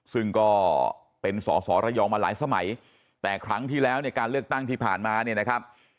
ซึ่งก็เป็นสอสอระยองมาหลายสมัยแต่ครั้งที่แล้วเนี่ยการเลือกตั้งที่ผ่านมาเนี่ยนะครับ